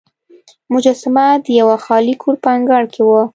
مجسمه د یوه خالي کور په انګړ کې وه.